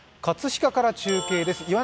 葛飾から中継です。